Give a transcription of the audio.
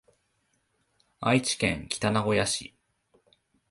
愛知県北名古屋市